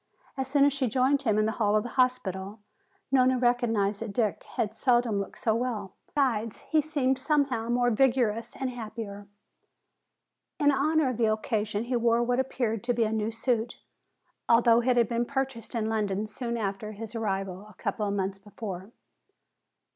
As soon as she joined him in the hall of the hospital, Nona recognized that Dick had seldom looked so well. Besides, he seemed somehow more vigorous and happier. In honor of the occasion he wore what appeared to be a new suit, although it had been purchased in London soon after his arrival a number of months before.